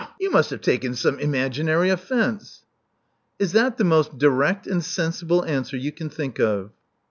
"Pshaw! You must have taken some imaginary offence." "Is that the most direct and sensible answer you can think of?"